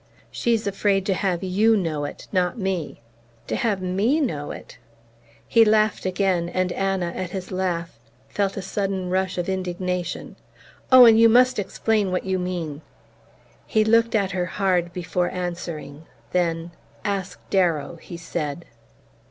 "She's afraid to have YOU know it not me!" "To have ME know it?" He laughed again, and Anna, at his laugh, felt a sudden rush of indignation. "Owen, you must explain what you mean!" He looked at her hard before answering; then: "Ask Darrow!" he said.